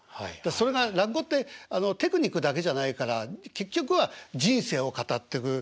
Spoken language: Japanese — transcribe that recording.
それが落語ってテクニックだけじゃないから結局は人生を語ってく。